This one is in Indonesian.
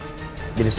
jadi saya gak mau